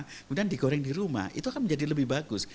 kemudian digoreng di rumah itu akan menjadi lebih bagus